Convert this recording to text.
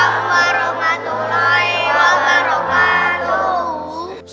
waalaikumsalam warahmatullahi wabarakatuh